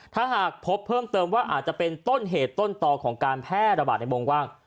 ถ้าหากพบเพิ่มเติมว่าอาจจะเป็นต้นเหตุต้นต่อของการแพร่ระบาดในวงกว้าง